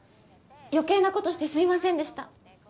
余計なことしてすいませんでした。